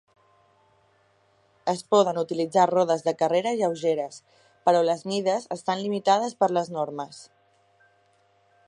Es poden utilitzar rodes de carrera lleugeres, però les mides estan limitades per les normes.